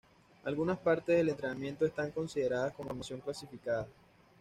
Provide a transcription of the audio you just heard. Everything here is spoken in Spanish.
Algunas partes del entrenamiento están consideradas como información clasificada.